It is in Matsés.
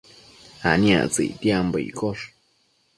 aniactsëc ictiambo iccosh